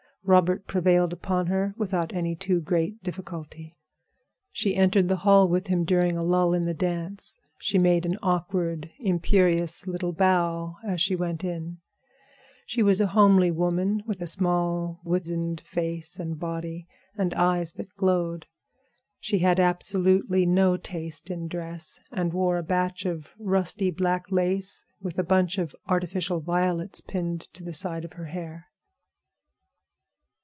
Robert prevailed upon her without any too great difficulty. She entered the hall with him during a lull in the dance. She made an awkward, imperious little bow as she went in. She was a homely woman, with a small weazened face and body and eyes that glowed. She had absolutely no taste in dress, and wore a batch of rusty black lace with a bunch of artificial violets pinned to the side of her hair.